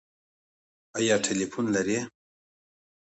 ایا ټیلیفون لرئ؟